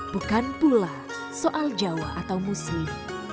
bukan pula soal jawa atau muslim